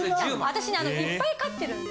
私ねいっぱい飼ってるんで。